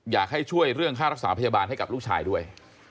อยากให้ช่วยเรื่องค่ารักษาพยาบาลให้กับลูกชายด้วย